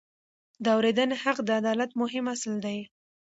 د اورېدنې حق د عدالت مهم اصل دی.